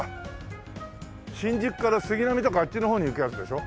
新宿から杉並とかあっちの方に行くやつでしょ？